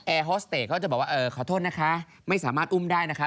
ฮอสเตจเขาจะบอกว่าเออขอโทษนะคะไม่สามารถอุ้มได้นะคะ